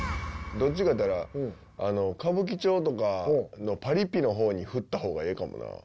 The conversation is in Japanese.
どっちがいうたら、歌舞伎町とかのパリピのほうに振ったほうがええかもな。